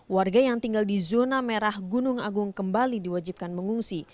warga yang tinggal di zona merah gunung agung kembali diwajibkan mengungsi